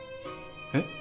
えっ？